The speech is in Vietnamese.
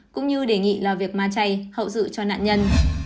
cũng như đề nghị lo việc ma chay hậu dự cho nạn nhân